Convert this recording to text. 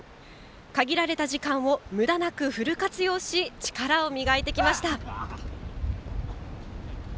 限られた時間をむだなくフル活用し力を磨いてきました。